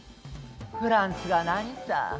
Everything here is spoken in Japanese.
フランスが何さ。